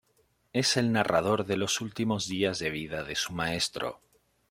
Es el narrador de los últimos días de vida de su maestro.